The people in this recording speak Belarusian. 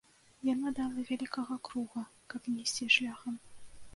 Яна дала вялікага круга, каб не ісці шляхам.